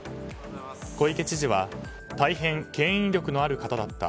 小池知事は大変、牽引力のある方だった。